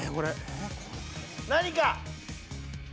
何か！